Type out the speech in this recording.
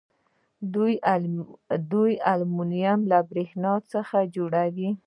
دوی المونیم له بریښنا څخه جوړوي.